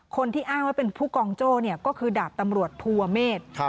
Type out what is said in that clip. คนที่อ้างว่าเป็นผู้กองโจ้ก็คือดาบตำรวจภูวเมฆ